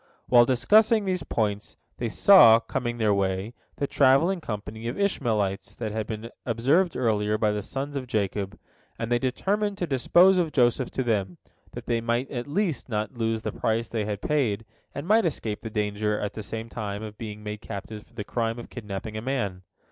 While discussing these points, they saw, coming their way, the travelling company of Ishmaelites that had been observed earlier by the sons of Jacob, and they determined to dispose of Joseph to them, that they might at least not lose the price they had paid, and might escape the danger at the same time of being made captives for the crime of kidnapping a man.